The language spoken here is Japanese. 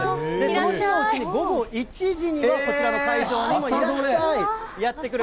その日のうちに午後１時にはこちらの会場にやって来る。